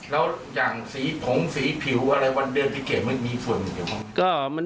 แล้วอย่างสีผงสีผิวอะไรวันเดิมปิเกษเมื่อก็มีส่วนนี้ใช่ไหม